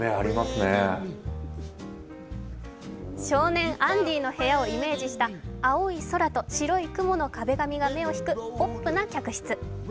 少年アンディの部屋をイメージした青い空と白い雲の壁紙が目を引くポップな客室。